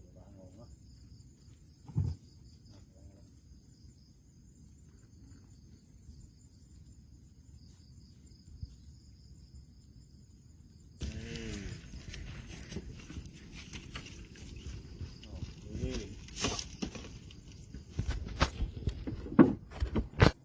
กลับมาแล้วเดี๋ยวไปเนี้ย